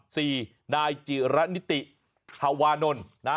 สี่นายจิรณิติธวานล